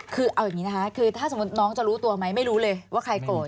คือเอาอย่างนี้นะคะคือถ้าสมมุติน้องจะรู้ตัวไหมไม่รู้เลยว่าใครโกรธ